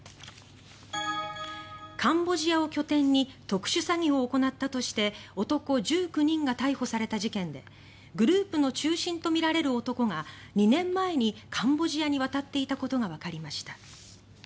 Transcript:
カンボジアを拠点に特殊詐欺を行ったとして男１９人が逮捕された事件でグループの中心とみられる男が２年前にカンボジアに渡っていたことがわかりました。